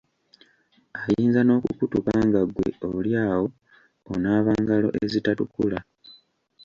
Ayinza nokukutuka nga ggwe oli awo onaaba ngalo ezitatukula.